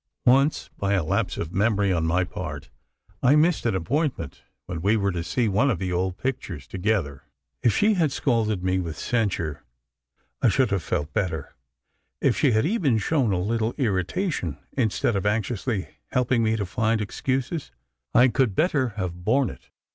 Once, by a lapse of memory on my part, I missed an appointment when we were to see one of the old pictures together. If she had scalded me with censure, I should have felt better—if she had even shown a little irritation, instead of anxiously helping me to find excuses, I could better have borne it.